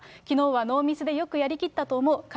きのうはノーミスでよくやりきったと思う。